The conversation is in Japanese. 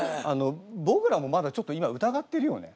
僕らもまだちょっと今疑ってるよね？